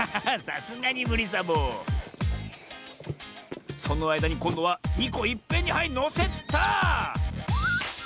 さすがにむりサボそのあいだにこんどは２こいっぺんにはいのせた！